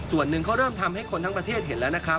ส่วนหนึ่งเขาเริ่มทำให้คนทั้งประเทศเห็นแล้วนะครับ